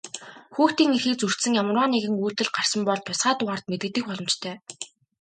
Хүүхдийн эрхийг зөрчсөн ямарваа нэгэн үйлдэл гарсан бол тусгай дугаарт мэдэгдэх боломжтой.